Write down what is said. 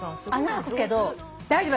穴あくけど大丈夫。